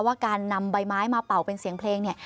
ว่าการนำใบไม้มาเป่าเป็นเสียงเพลงเนี่ย